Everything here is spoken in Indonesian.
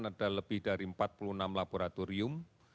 ada lebih dari empat puluh enam laboratorium